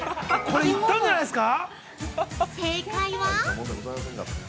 これ行ったんじゃないですか？